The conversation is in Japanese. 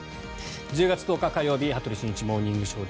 １０月１０日、火曜日「羽鳥慎一モーニングショー」。